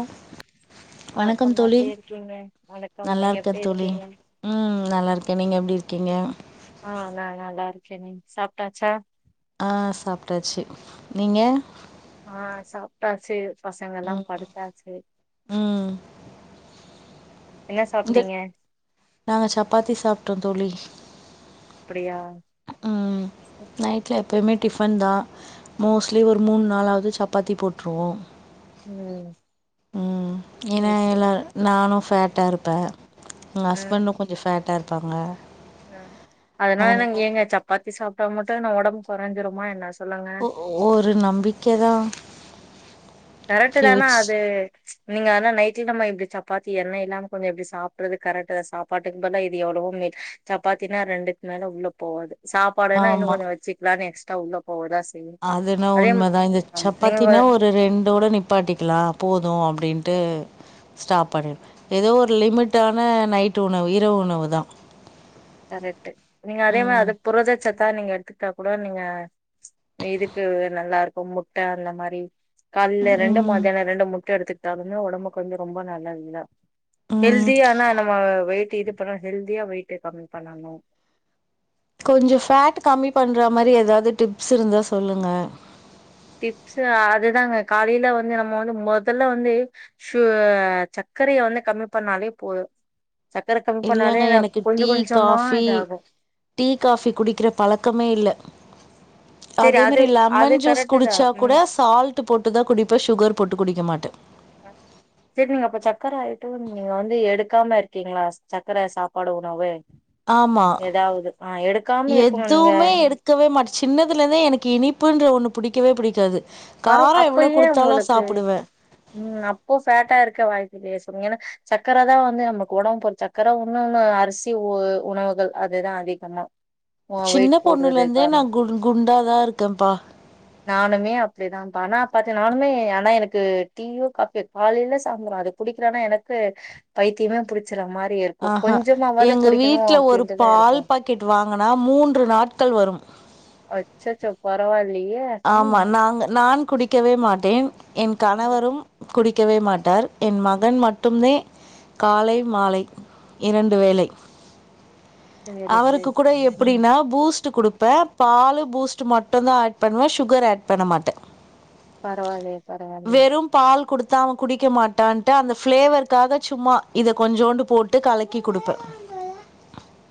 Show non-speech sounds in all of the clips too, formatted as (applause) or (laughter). ஓஹ் வணக்கம் தோழி எப்டி இருக்கீங்க வணக்கம் நல்லா நீங்க எப்டி இருக்கேன் தோழி இருக்கீங்க உம் நல்லா இருக்கேன் நீங்க எப்படி இரு கீ ங்க ஆஹ் நான் நல்லா இருக்கே நீ சாப்ட்டாச்சா ஆஹ் சாப்ட்டாச்சு நீங்க ஆஹ் சாப்ட்டாச்சு பசங்கல்லாம் ம் படுத்தாச்சு ம் என்ன இந்த சாப்ட்டீங்க நாங்க சப்பாத்தி சாப்ப (unintelligible) அப்டியா உம் நைட்டு்ல எப்போயமே டிஃபன் தான் மோஸ்ட்லி ஒரு மூணு நாளாவது சப்பாத்தி போட்ருவோம் ம் உம் சரி ஏன்னா சரி எல்ல நானும் ஃபேட்டா இருப்பேன் எங்க ஹஸ்பண்டும் கொஞ்சம் ஃபேட் டர்பங்கா உஹம் அதனால நாங்க ஏங்க சப் பத்தி சாப்பிட்டா மட்டும் ந உடம்பு கொறஞ்சுடுமா என்ன சொல்லுங்க ஒரு நம்பிக்கை தான் கரெக்ட் தானா அது நீங்க ஆனா நைட்ல நம்ம இப்டி சப்பாத்தி எண்ணெ இல்லாம கொஞ்சம் இப்டி சாப்றது கரெக்ட் தான் சாப்பாட்டுக்கு பதுலா இது எவ்ளவு மேல் சப்பாத்தினா ரெண்டுக்கு மேல உள்ள போகாது சாப்பாடுன்னா இன்னு கொஞ்ச வச்சுக்லாம் நெக்ஸ்ட் த உல அதுனா உண்மதா இந்த ஆமா நீங்க சப்பாத்தினா வ- ஒரு ரெண்டோட நிப் பாட்டிக்கலா போதூ அப்டின்ட்டு ஸ்டாப் பண்ணீட்ர ஏதோ ஒரு லிமிட்டான நைட் உணவு இரவு உணவு தா கரெட்டு நீங்க அதே மார் அதக் புறது சத்தா நீங்க எடுத்துக்கிட்டா கூட நீங்க இதுக்கு நல்லா இருக்கூ முட்ட அந்த மாரி கால்ல ரெண்டு ம். மத்தியான ரெண்டு முட்ட எடுத்துக் ததுனோ ஒடம்புக் கொஞ்சோ ரொம்ப நல்லதுதா ம். ஹெல்தியானா நம்ம வெயிட் இதுப் கரா ஹெல்த்தியா வெயிடே கம்மி பண்ணானோ கொஞ்சோ ஃபேட்டு கம்மி பண்ற மாரி ஏதாது டிப்ஸ் இருந்தா சொல்லுங்க டிப்ஸ்ஸு அதுதாங்க காலேல வந்து நம்ம வந்து மொதல்ல வந்து சு சக்கரய வந்து கம்மி பண்ணாலே போதூ இல்லலைங்க எனக்கு டீ கொஞ்சமா காஃபி இதாகு டீ காஃபி குடிக்ற பழக்கமே இல்ல சரி அதே அது மாதிரி அது லெமன் ஜூஸ் கரெக்ட் தா குடிச்சா ம் கூட சால்ட் போட்டுதா குடிப்பே சுகர் போட்டு குடிக்க மாட்டே சரி நீங்க அப்ப சக்கர ஆயிட்டு நீங்க வந்து எடுக்காம இருக்கீங்ளா சக்கர சாப்பாடு உணவு ஆமா ஏதாவது ஆ எடுக்காம இருக்கணு நீங்க எதுமே எடுக்கவே மாட் சின்னதுலெந்தே எனக்கு இனிப்புன்ற ஒன்னு புடிக்கவே புடிக்காது வரோ காரோ அப்ப எவ்ளோ ஏ குடுத்தாலு உங்களுக்கு சாப்புடுவே உம் அப்போ ஃபேட்டா இருக்க வாய்பில்லயே சிஸ் (unintelligible) ஏன்னா சக்கர தா வந்து நமக்கு ஒடம்பு போடூ சக்கர ஒன்னூல்ல அரிசி த உணவுகள் அதுதா அதிகமா வெயிட் சின்ன பொண்ணுல போடுறது இருந்தே நா காரணம் குண் குண்டாதா இருக்கம்பா ம் பானா பாத்தேனாலுமே ஆனா எனக்கு டீயோ காப்பியோ காலேல (unintelligible) அது குடிக்றனா எனக்கு பைத்தியமே புடிச் ஆஹா எங்க வீட்ல ஒரு அப்படின்ட்டுதா பால் இருக்கு பாக்கெட் வாங்கனா மூன்று நாட்கள் வரும் அச்சச்சோ பரவால் ஆமா நாங்க நான் குடிக்கவே மாட்டேன் என் கணவரும் குடிக் க்கவே மாட்டார் என் மகன் மட்டும்தே காலை மாலை இரண்டு வேளை சேரி சேரி அவருக்கு கூட ம் எப்ரினா பூஸ்ட்டு குடுக் ப பால்லு பூஸ்ட்டு மட்டூ தா பண்ணுவே சுகர் ஆட் பண்ண மாட்டே பரவாலே பரவாலே குடுத்தாம குடிக்க மாட்டான்ட்டு அந்த ஃபிளேவர்கக்காக சும்மா இது கொஞ்சோண்டு போட்டு கலக்கி குடுப்பே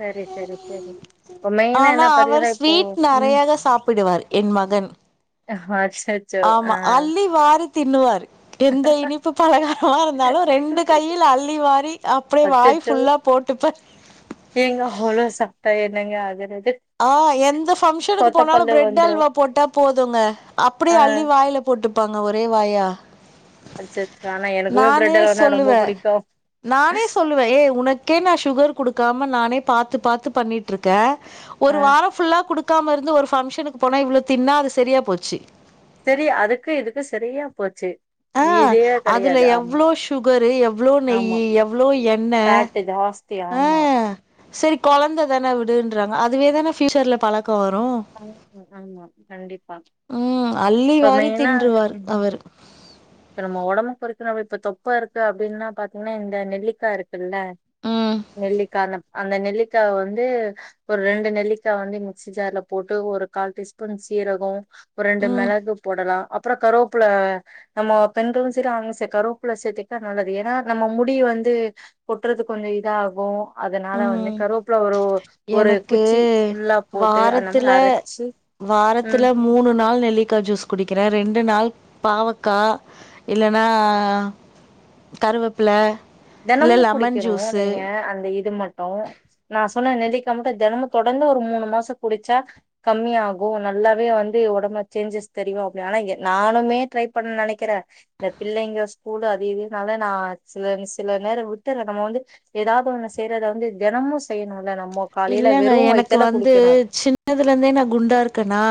சரி சரி சரி இப்ப மெயினா ஆனா என்ன அவர் பாத்தீங்கன்னா இப்போ ஸ்வீட் ம் நெறையாதா சாப்பிடுவாரு மகன் அஹ் ஹார்ஷ் ஆமா அள்ளி வாரிக் திண்ணுவாரு எந்த இனிப்பு பலகாரமாருந்தாலு ரெண்டு கையில அள்ளி வாரி அப்டியே வாய் அச்சச்சோ ஃபுல்லா போட்டுப்ப நங்க அதிர ஆ எந்த ஃபங்ஷனுக்கு போனாலு ப்ரெட் வந்துரு அல்வா போட்டா போதுங்க அப்புடியே ஆ அள்ளி வாயில போட்டுப்பாங்க ஒரே வாயா. அச்சச்சோ ஆனா எனக்குமே நானே பிரெட் அல்வானா ரொம்ப சொல்லுவே புடிக்கு நானே சொல்லுவே ஏ உனக்கே நா ஷுகர் குடுக்காம நானே பாத் த்து பாத்து பண்ணிட்ருக்க ஒரு ஆ வார ஃபுல்லா குடுக் க்காம இருந்து ஒரு ஃபங்ஷனுக்கு போனா இவ்ளோ தின்னா அது சரியா போச்சி செரி அதுக்கு இதுக்கு சரியா போச்சி ஆ அதுல எவ்ளோ சுகரு எவ்ளோ ஆமா நெய்யி எவ்ளோ எண்ண ஃபேட்டு ஜாஸ்தி ஆமா ஆஹ் செரி கொழந்த தான விடுன்றாங்க அதுவேதானே ஃப்யூச்சர்ல பழ க்க வரூ ஆமா ஆமா கண்டிப்பா ம் அள்ளி இப்ப வாரி மெயினா தின்றுவார் ம் அவர் இப்ப நம்ம உடம்புக் கொறக்குனாவே இப்ப தொப்ப இருக்கு அப்டின்னா பாத்திங்னா இந்த நெல்லிக்காருக் குல்ல ம் நெல்லிக்கா நம் அந்த நெல்லிக்காவ வந்தூ ஒரு ரெண்டு நெல்லிக்கா வந்து மிக்சி ஜார்ல போட்டு ஒரு கால் டீஸ்பூன் சீரகோ ஒரெண்டு ம் மெளகு போடலா அப்றோ கருவொப்புல நம்மோ பெண்களு சரி ஆங்செ கருவோப்ல சேத்திட்ட நல்லது ஏனா நம்ம முடி வந்து கொட்றது கொஞ்ஜொ இதாகூ ம் ஒரு எனக்கூ குச்சி ஃபுல்லா போட்டு அந்த வாரத்துல மாதிரி அரைச்சு உம் வாரத்துல மூணு நாள் நெல்லிக்கா ஜூஸ் குடிக்கிறே ரெண் -டு நாள் பாவக்கா இல்லன்னா கருவப்ல தெனமு குடிக்கணூ நீங்க அந்த இத் ம்மட்டோ நா சொன்ன நெல்லிக் தம்க தெனமு தொடந்து ஒரு மூணு மாசொ குடிச்சா கம்மியாகு நல்லாவே வந்து ஒடம்ப சேஞ்சஸ் தெரியு அப்ன ஆனா எ நானுமே ட்ரை பண் நெனைக்கிறே ந்த பிள்ளைங்க ஸ்கூலு அதி இதி நால நா சிலவிஷ் சில நேர விட்டுற நம்ம வந்து ஏதாவது ஒன்னு செய்றத வந்து தெனமு செய்யணு இல்லங்க எனக்கு வந்தூ சின்னதுலந்தே நா குண்டா இருக்கனா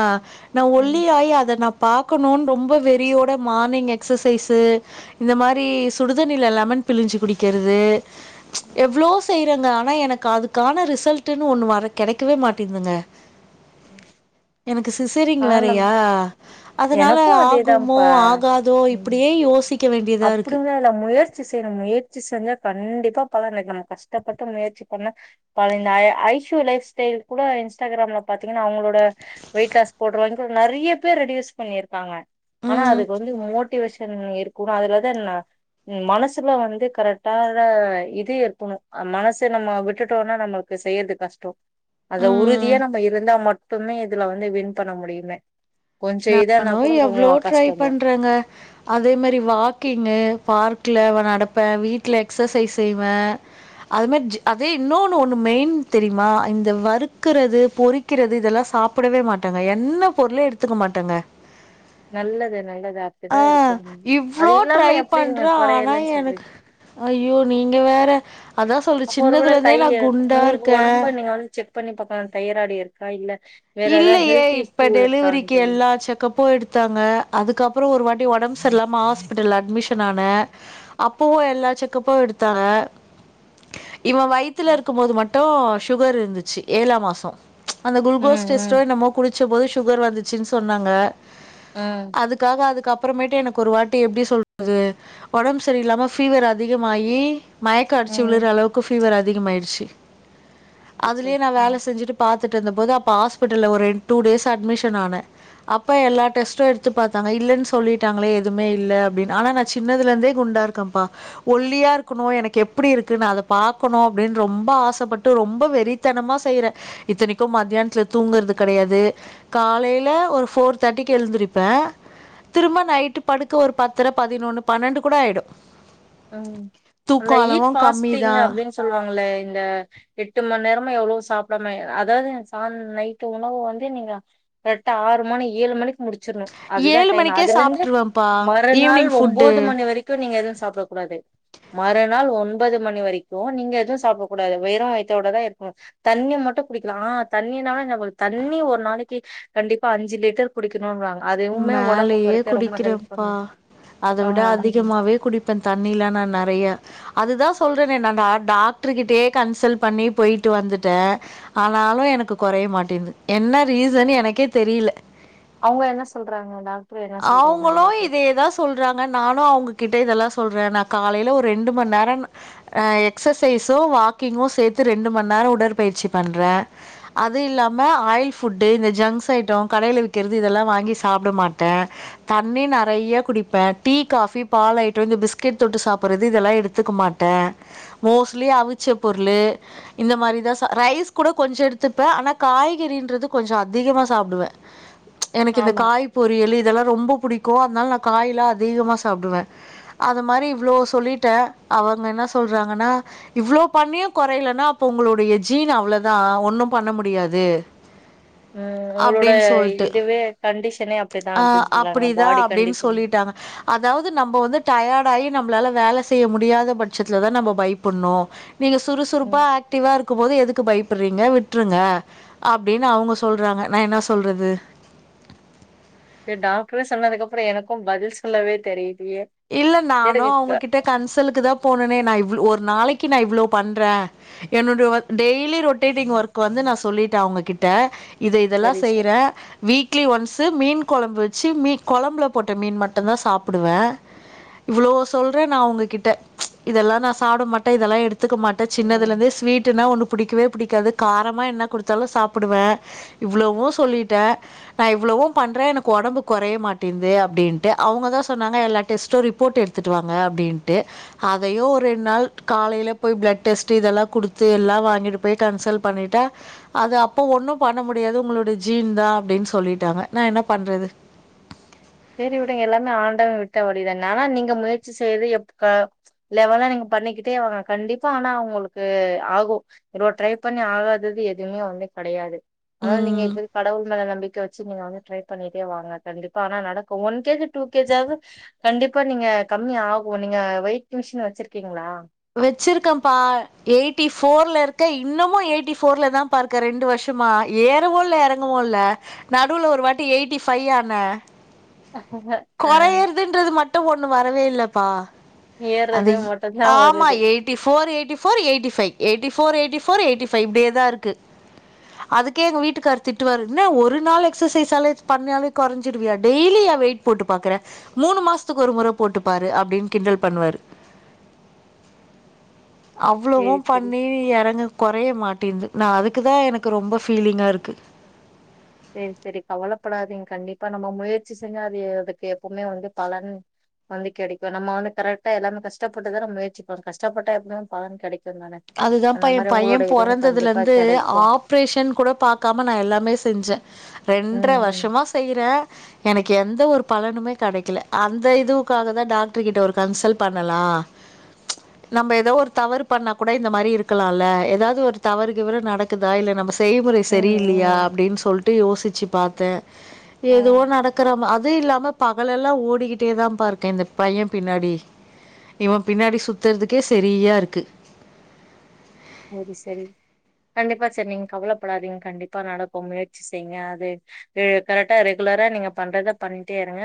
நா ஒல்லி ம் ஆய் அத நா பாக்கணூன் ரொம்ப வெறியோட மார்னிங்கெ க்ஸசைஸூ இந்த மாரி சுடுதண்ணில லெமன் பிழிஞ்சு குடிக்கிறது ச் எவ்வளோ தெய்றங்க ஆனா எனக்கு அதுக்கான ரிசல்ட் ட்டுன்னு ஒன்னு வர கெடைக்கவே மாட்டேன்துங்க எனக்குஸ் சிசரிங் ஆனா நம் வேறயா அதனால எனக்கு ஆகுமோ அதேதான்ப்பா ஆகாதோ இப்படியே யோசிக் அப்புடினாயில்ல முயற் முயற்சி செய்ணு முயற்ச்சி செஞ்சா கண்டிப்பா பலன் (unintelligible) நம்மோ கஷ்டப்பட்டு முயற்சி பண்ணா பழைய இந்த ஐ ஐஸு லைப் ஸ்டைல் கூட இன்ஸ்டாகிராம்ல பாத்தீங்ன்னா அவுங்களோட வெயிட் லாஸ் போடுறவோ இன்னு நெறைய பேரு ரெடியூஸ் பண்ணிருக்காங்க ஆனா ம், அதுக்கு வந்து மோட்டிவேஷன் இருக் கூட அதுல இருக்குற ந மனசுல வந்து கரெக்டாதா இது இருப்போணு அ மனசு நம்ம விட்டுட்டோன்னா நம்மளுக்கு செய்யறது கஷ்டோ அது உறுதியா ம். நம்ம இருந்தா மட் எப்பவுமே இதுல வந்து வின் பண்ண முடியுமே கொஞ்சோ இதானா நானு கூட கொஞ்சோ எவ்ளோ ட்ரை கஷ்டந்தா பண்றேங்க அதே மரி வாக்கிங்கு பார்க்ல நடப்ப வீட்ல எக்ஸசைஸ் செய்வே அது மேர் ஜி அதே இன்னொன்னு ஒன்னு மெயின் தெரியுமா இந்த வறு்க்குறது பொறிக்கிறது இதெல்லா சாப்புடவே மாட்டாங்க என்ன பொருளே எடுத்துக்க மாட்டங்க. நல்லது நல்லது அப்டிதா அ இருக்கணு அது இவ்ளோ இல்லாம ட்ரை எப்டி பண்ற நீங்க ஆனா கொறையலன்னு எனக்கு சொல்றீங்க ஐயோ நீங்க வேற அதா சொல்ற அப்போ ஒருவேள சின்னதுலந்தே நா தைய உங்களுக்கு குண்டாருக்கே. ஒடம்ப நீங்க வந்து செக் பண்ணி பாக்கலா தைய்ராய்டு இருக்கா இல்ல வேற ஏதா இல்லையே ஹெல்த் இப்ப இஷ்யூ டெலிவரிக்கி இருக்கான்ட்டு எல்லா செக்கப்பு எடுத்தாங்க அதுக்கப்புறோ ஒரு வாட் ஒடம்பு சர்லாம்மா ஹாஸ்பிட்டல் அட்மிஷன் ஆனே அப்பவு எல்லா செக்ப்பு எடுத்தாங்க இவ வயித்துல ம் இருக்கும்போது மட் டு சுகர் இருந்துச்சு ஏழா மாசோ அந்த குல்கோஸ் ஜெஸ்டோ ம் என்னமோ குடி ச்சம்போது சுகர் வந்துச்சின்னு சொன்னாங்க ம் அதுக்காக அதுக்கப் அப்புறமேட்டு எனக்கு ஒரு வாட்டி எப்டி சொல்றது ஒடம்பு சரியில்லாம ஃபீவர் அதிகமாகி மயக்க அடிச்சி ம் உளுர அளவுக்கு பீவர் ஆ அதிக மாயிற்சி அச்சோ அதுலயே நா வேலை ம் செஞ்சுட்டு பாத் துண்டு இருந்தபோது அப்பா ஹா ஹாஸ்ப்பிட்டல்ல ஒரு டூ டேஸ் அட்மிஷன் ஆன அப்ப எல்லா டெஸ்ட்டு எடுத்து பாத்தாங்க இல்லேன்னு சொல்லிட்டாங்களே எதுமே இல்ல அப்டின்னு ஆனா நா சின்னதுலருந்தே குண்டா இருக்கப்பா ஒல்லியா இருக்கணு எனக்கு எப்டி இருக்கு நா அத பாக்கணு அப்டின்னு ரொம்ப ஆசப்பட்டு ரொம்ப வெறித்தனமா செய்றே இத்தினிக்கு மத்தியானத்துல தூங்குறது கடையாது காலையில ஒரு ஃபோர் தேர்ட்டிக்கு எழுந்திரிப்ப திரும்ப நைட்டு படுக்க ஒரு பத்தரை பதினொன்னு பன்னெண்டு கூட ஆயிடு ஹம் அந்த (unintelligible) பாஸ்டிங் தான். அப்டின்னு சொல்லுவாங்கள இந்த எட்டு மணி நேரமோ எவ்ளோ சாப்டாமே அதாவது ச நைட்டு உணவு வந்து நீங்க கரெட்டா ஆறு மணி ஏழு மணிக் முடிச்சிர்ணு அதுதா ஏழு டைம்மு மணிக்கே அதுலருந்து சாப்ட்ருவேன்ப்பா மறுநாள் ஈவினிங் ஃபுட்டு ஒன்பது மணி வரைக்கு நீங்க (unintelligible) கூடாது மறுநாள் ஒன்பது மணி வரைக்கு நீங்க எதுவு சாப்டக்கூடாது வெறு வைத்தோட தா இருகோண் தண்ணி மட்டு குடிக்கலா தண்ணினால நம்ளுக் தண்ணி ஒரு நாளைக்கி கண்டிப்பா அஞ்சி லிட்டர் குடிக்கணுங்றாங்க மேலயே குடிக்றேப்பா பண்ணு அத ஆ விட அதிகமாவே குடிப்பேன் தண்ணிலா நா நெறையா அதுதா சொல்றேனே நா டாக்ட்ரு கிட்டயே கன்சல்ட் பண்ணி போயிட்டு வந்துட்டே ஆனாலு எனக்கு கொறைய மாட்டேன்து என்ன ரீசன் எனக்கே தெரியில அவுங்க என்ன சொ சொல்றாங்க டாக்ட்ரு என்ன சொல்றாங்க அவங்களு இன்னிக்கி இதே தா சொல்றாங்க நானு அவங்ககிட்ட இதெல்லா சொல்றே நா காலைல ஒரு ரெண்டு மண்நேரோ ஆ எக்சசைஸு வாக்கிங்கு சேத்து ரெண்டு மண்நேரோ உடற்பயிற்சி பண்றே அது இல்லாம ஆயில் ஃபுட்டு இந்த ஜங்க்ஸ் ஐட்டோ கடைல விக்றது இதெல்லா வாங்கி சாப்ட மாட்டே தண்ணி நறையா குடிப்பே டீ காஃபி பால் ஐட்டோ இந்த பிஸ்கெட் தொட்டு சாப்புறது இதெல்லா எடுத்துக்க மாட்டே மோஸ்ட்லி அவிச்ச பொருளு இந்த மாரிதா சா ரைஸ் கூட கொஞ்ஜோ எடுத்துப்பே ஆனா காய்கறின்றது கொஞ்ஜோ அதிகமா சாப்டுவே (unintelligible) எனக்கு இந்த ஆமா காய் பொறியலு இதெல்லா ரொம்ப புடிக்கு அத்னால நா காயெல்லா அதிகமா சாப்டுவே அத மாரி இவ்ளோ சொல்லிட்டே அவங்க என்னா சொல்றாங்கன்னா இவ்ளோ பண்ணியு கொறையலன்னா அப்போ உங்களுடைய ஜீன் அவ்ளோதா ஒண்ணு பண்ண முடியாது ம் உங்ளோட அப்படின்னு சொல்லிட்டு இதுவே கண்டிஷ் ஆ அப்டிதா அப்டின்னு கண்டிஷன் சொல்லிட்டாங்க அதாவது நம்ப வந்து டய யி நம்பளால வேல செய்ய முடியாத பட்சத்துல தா நம்ப பயப்பட்ணு நீங்க சுறுசுறுப்பா ம் ஆக்டிவா இருக்கும் போது எதுக் க்கு பயப்பட்றீங்க விட்ருங்க அப்டின்னு அவங்க சொல்றாங்க நா என்னா சொல்றது டாக்ட்ரே சொன்னதுக்கப்றோ எனக்கும் பதில் சொல்லவே தெரி இல்ல நானு அவங்ககிட்ட கன்சலுக்கு தா போனனே நா இவ்ளோ ஒரு நாளைக்கு நா இவ்ளோ பண்றே என்னோட ஒர்க் டெய்லி ரொட் அப் டேடிங் ஒர்க் வந்து நா சொல்லிட்டே அவங்ககிட்ட இது இதெல்லா சரி சார் செய்றே வீக்லி ஒன்ஸு மீன் கொழம்பு வெச்சி மீ கொழம்புல போட்ட மீன் மட்டுதா சாப்டுவே இவ்ளோ சொல்றே நா ஒங்ககிட்ட ம்ச் இதெல்லா நா சாப்ட மாட்டே இதெல்லா எடுத் டுத்துக்க மாட்டே ம் சின்னதுலந்தே ஸ்வீட்டுனா ஒன்னு புடிக்கவே புடிக்காது காரமாக என்ன கொடுத்தாலு சாப்டுவே இவ்ளவு சொல்லிட்டே நா இவ்ளவு பண்றே எனக்கு ஒடம்பு கொறைய மாட்டேன்து அப்டின்ட்டு அவங்க தா சொன்னாங்க எல்லா டெஸ்ட்டு ரிப்போர்ட் எடுத்துட்டு வாங்க அப்டின்ட்டு அதையு ஒரு ரெண்நாள் காலைல போய் ப்ளட் டெஸ்ட்டு இதெல்லா குடுத்து எல்லா வாங்கின் போய் கன்சல்ட் பண்ணிட்டா அது அப்போ ஒன்ன பண்ண முடியாது உங்களோட ஜீன் தா அப்டின்னு சொல்லிட்டாங்க நா என்ன பண்றது சேரி விடுங்க எல்லாமே ஆண்டவே விட்ட வழிதானே ஆனா நீங்க முயற்சி செய்து எப்ப க லெவெலா நீங்க பண்ணிக்கிட்டே வாங்க கண்டிப்பா ஆனா ஒங்களுக்கு ஆகு இவ்ளோ ட்ரை பண்ணி ஆகாதது எதுவுமே ஒன்னு கெடையாது ஆனா நீங்க ம் இப்ப கடவுள் மேல நம்பிக்க வச்சி நீங்க வந்து ட்ரை பண்ணிட்டே வாங்க கண்டிப்பா ஆனா நடக் ஒன் கேஜி டூ கேஜ்ஜாது கண்டிப்பா நீங்க கம்மி ஆகு நீங்க வெயிட் மிஷின் வச்சிருக்கீங்ளா வச்சிருக்கப்பா எயிட்டி ஃபோர்ல இருக்கே இன்னமு எயிட்டி ஃபோர்ல தாப்பா இருக்கே ரெண்டு வருஷமா ஏறவு இல்ல எறங்கவு இல்ல நடுவுல ஒரு வாட்டி எயிட்டி ஃபைவ் ஆனே ஆ கொறயறதுன்றது மட் ட்ட ஒண்ணு வரவே இல்லப்பா அந்த ஏறது இ மட்டுந்தா ஆமா வருது eighty four eighty four eighty five eighty four eighty four eighty five இப்டியே தாருக்கு அதுக்கே எங்க வீட்டுக்காரு திட்டுவாரு என்னா ஒரு நாள் எக்சசைஸ் பண்ணாலே கொறஞ்சிடுவியா டெய்லி ஏ வெயிட் போட்டு பாக்கற மூணு மாசத்துக்கு ஒரு மொற போட்டுப்பாரு அப்டின்னு கிண்டல் பண்ணுவாரு அவ்ளவு சேரி சேரி பண்ணி எறங்கு கொற நெறைய மாட்டியிருந்த நா அதுக்குதா எனக்கு ரொம்ப ஃபீலிங்காருக்கு சரி சரி கவலைப்படாதீங்க கண்டிப்பா நம்ம முயற்சி செஞ்ச அது அதுக்கு எப்பவுமே வந்து பலனு வந்து கெடைக்கு நம்ம வந்து கரெக்டா எல்லாமே கஷ்டப்பட்டுதானே முயற்சி போம் கஷ்டப்பட்டா எப்பவுமே பலன் கெடைக்கு தானே அதுதான்பா அந்த ஏன் மாரி பையெ உங்களோட இதுவு கண்டிப்பா பொறந்ததுலந்து கெடைக்கு ஆப்ரேஷன் கூட பாக்காம நா எல்லாமே செஞ்சே ம் ரெண்ர ம் வருஷமா செய்யறே (unintelligible) எனக்கு எந்த ஒரு பலனுமே கெடைக்கல அந்த இதுவுக்காக தா டாக்டர் கிட்ட ஒரு கன்சல் பண்ணலா நம்ம ஏதோ ஒரு தவறு பண்ண கூட இந்த மாரி இருக்கலால்ல ஏதாவது ஒரு தவறு கிவறு நடக்குதா இல்ல நம்ம செய்முறை ம் சரியில்லையா ம் அப்டின்னு சொல்ட் விட்டு யோசிச்சு பாத்தேன் எதுவு ம் நடக்கற மா அது அதுவும் இல்லாமல் பகலெல்லாம் ஓடிக்கிட்டே தான் பா இருக்கேன் இந்த பையன் பின்னாடி இவன் பின்னாடி சுத்துறதுக்கே சரியா இருக்கு அது சரி கண்டிப்பா சரி நீங்க கவலைப்படாதீங்க கண்டிப்பா நடக்கும் முயற்சி செய்ங்க அது கரெக்டா ரெகுலரா நீங்க பண்றத பண்ணிட்டே இருங்க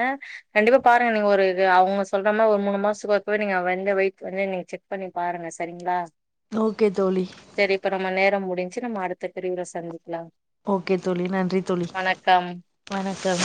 கண்டிப்பா பாருங்க நீங்க ஒரு அவுங்க சொல்ற மாரி ஒரு மூணு மாசத்துக்கொருக்கவே நீங்க வந்து வெயிட் வந்து நீங்க செக் பண்ணி பாருங்க சரிங்களா (unintelligible) சரி இப்ப நம்ம நேரம் முடி ச்சு அடுத்த பிரிவில சந்திக்கிலாம் ஓகே தோழி நன்றி தோழி வணக்கம்